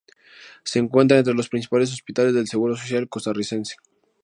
Se encuentra entre los principales hospitales del Seguro Social Costarricense.